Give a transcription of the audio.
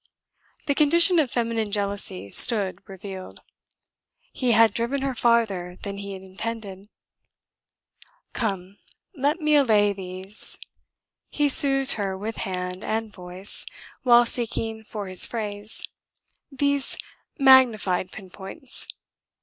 The condition of feminine jealousy stood revealed. He had driven her farther than he intended. "Come, let me allay these ..." he soothed her with hand and voice, while seeking for his phrase; "these magnified pinpoints.